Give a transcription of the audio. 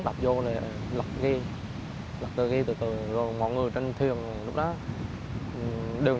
các cứu em này xuống giúp